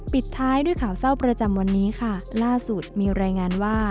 ปิดท้ายด้วยข่าวเศร้าประจำวันนี้ค่ะล่าสุดมีรายงานว่า